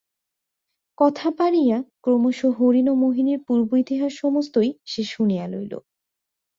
কথা পাড়িয়া ক্রমশ হরিমোহিনীর পূর্ব-ইতিহাস সমস্তই সে শুনিয়া লইল।